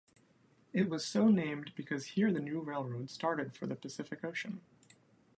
It was so named because here the new railroad started for the Pacific Ocean.